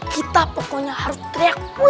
kita pokoknya harus teriak